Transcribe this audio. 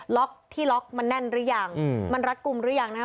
ล็อกที่ล็อกมันแน่นหรือยังมันรัดกลุ่มหรือยังนะครับ